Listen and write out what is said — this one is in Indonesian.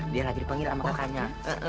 dia lagi dipanggil sama kakaknya